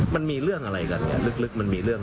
มันมีเรื่องอะไรกันอย่างนี้ลึก